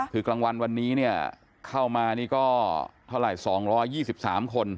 คือกลางวันวันนี้เนี่ยเข้ามานี่ก็เท่าไหร่๒๒๓คน